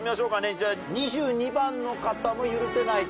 じゃあ２２番の方も許せないと。